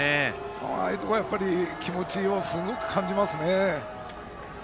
ああいうところは気持ちをすごく感じますね。